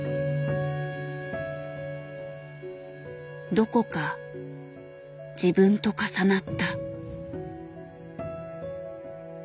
どこか自分と重なった。